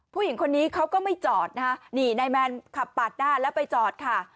ผู้หญิงคนนี้เขาก็ไม่จอดนะคะนี่นายแมนขับปาดหน้าแล้วไปจอดค่ะ